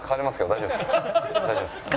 大丈夫ですか。